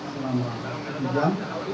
selama satu jam